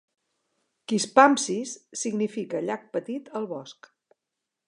Quispamsis significa llac petit al bosc.